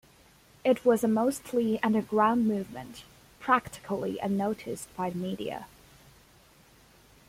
It was a mostly underground movement, practically unnoticed by the media.